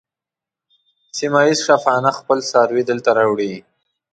سیمه ییز شپانه خپل څاروي دلته راوړي.